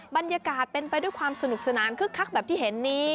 บรรยากาศเป็นไปด้วยความสนุกสนานคึกคักแบบที่เห็นนี้